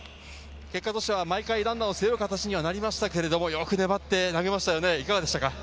毎回ランナーを背負う形にはなりましたが、よく粘って投げましたね。